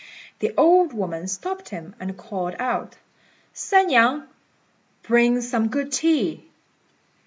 The old woman stopped him, and called out, "San niang! bring some good tea."